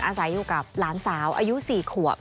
อาศัยอยู่กับหลานสาวอายุ๔ขวบ